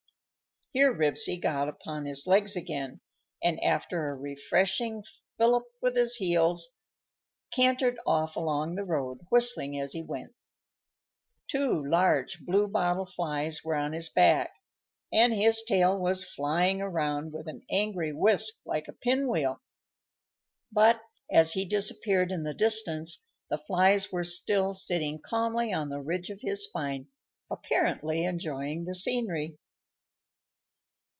_ Here Ribsy got upon his legs again, and, after a refreshing fillip with his heels, cantered off along the road, whistling as he went. Two large blue bottle flies were on his back, and his tail was flying around, with an angry whisk, like a pin wheel; but, as he disappeared in the distance, the flies were still sitting calmly on the ridge of his spine, apparently enjoying the scenery.